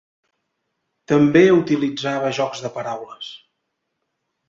També utilitzava jocs de paraules.